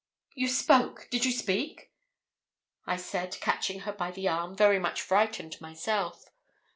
'You spoke? Did you speak?' I said, catching her by the arm, very much frightened myself.